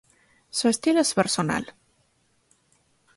Su estilo es personal.